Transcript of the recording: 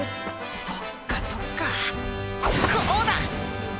そっかそっかこうだ！